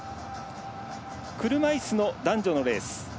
車いすの男女のレース。